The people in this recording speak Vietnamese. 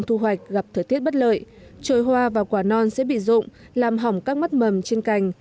thời tiết bất lợi trôi hoa và quả non sẽ bị rụng làm hỏng các mắt mầm trên cành